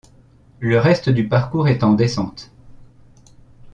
Le reste du parcours est en descente.